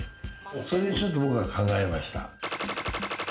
それでちょっと僕は考えました。